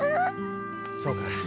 そうか。